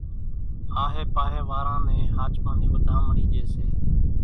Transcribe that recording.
آھي پاھي واران نين ۿاچمان ني وڌامڻي ڄي سي